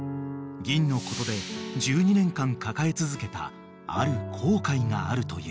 ぎんのことで１２年間抱え続けたある後悔があるという］